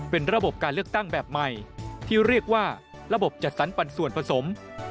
เป็นระบบการเลือกตั้งแบบใหม่ที่เรียกว่าระบบจัดสรรปันส่วนผสม